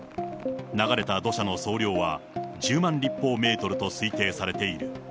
流れた土砂の総量は、１０万立方メートルと推定されている。